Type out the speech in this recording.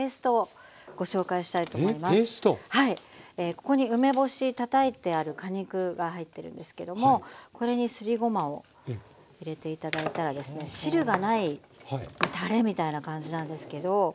ここに梅干したたいてある果肉が入ってるんですけどもこれにすりごまを入れて頂いたらですね汁がないたれみたいな感じなんですけど汁が。